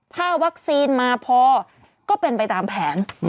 ถ้าวัคซีนมาพอก็เป็นไปตามแผน